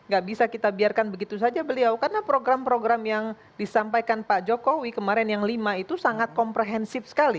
gak bisa kita biarkan begitu saja beliau karena program program yang disampaikan pak jokowi kemarin yang lima itu sangat komprehensif sekali